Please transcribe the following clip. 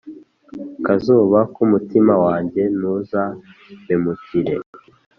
kazuba k’umutima wanjye ntuza mpemukire.